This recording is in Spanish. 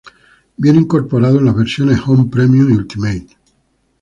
Viene incorporado en las versiones Home Premium y Ultimate.